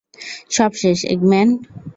সব শেষ, এগম্যান।